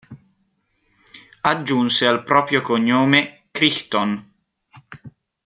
Aggiunse al proprio cognome "Crichton".